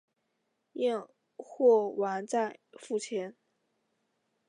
验货完再付钱